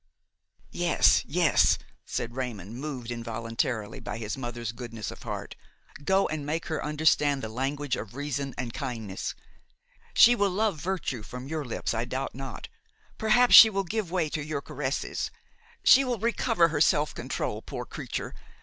"Yes, yes," said Raymon, moved involuntarily by his mother's goodness of heart; "go and make her understand the language of reason and kindness. She will love virtue from your lips, I doubt not; perhaps she will give way to your caresses; she will recover her self control, poor creature!